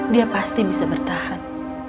dia pasti bisa bertahan